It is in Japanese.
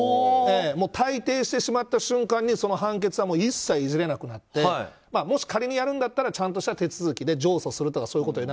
退廷してしまった瞬間にその判決は一切いじれなくなってもし、仮にやるんだったらちゃんとした手続きで上訴するとか。